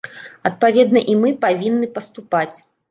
Адпаведна і мы павінны паступаць.